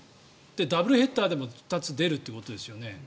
ダブルヘッダーでも２つ出るということですよね。